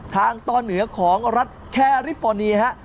ทางตอนเหนือของรัฐแคริฟฟอร์นีฮะ